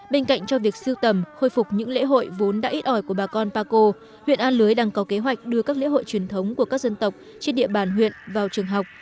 bên cạnh cho việc siêu tầm khôi phục những lễ hội vốn đã ít ỏi của bà con paco huyện a lưới đang có kế hoạch đưa các lễ hội truyền thống của các dân tộc trên địa bàn huyện vào trường học